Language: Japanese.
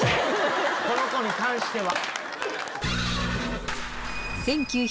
この子に関しては。